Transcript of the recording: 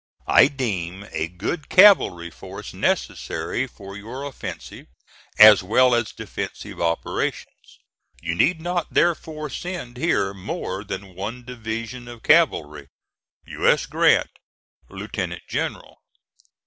I deem a good cavalry force necessary for your offensive, as well as defensive operations. You need not therefore send here more than one division of cavalry. U. S. GRANT, Lieutenant General.